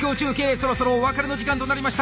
そろそろお別れの時間となりました。